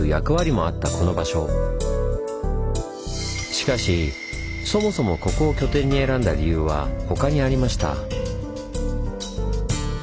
しかしそもそもここを拠点に選んだ理由は他にありました。